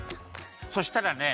そしたらね